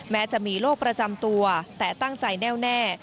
แม้จะมีโรคประจำตัวแต่ตั้งใจแน่วแน่